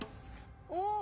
お。